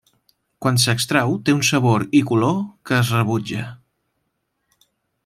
Quan s'extrau té un sabor i color que es rebutja.